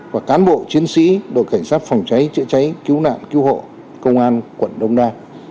và cán bộ chiến sĩ đội cảnh sát phòng cháy chữa cháy cứu nạn cứu hộ công an quận đông đa